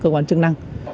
quản chức năng